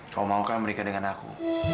kamu mau kan mereka dengan aku